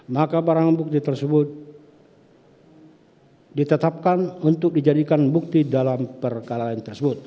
maka barang bukti tersebut ditetapkan untuk dijadikan bukti dalam perkara lain tersebut